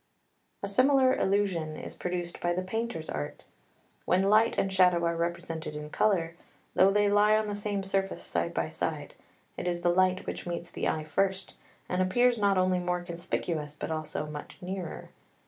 3 A similar illusion is produced by the painter's art. When light and shadow are represented in colour, though they lie on the same surface side by side, it is the light which meets the eye first, and appears not only more conspicuous but also much nearer.